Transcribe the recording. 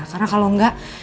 karena kalau enggak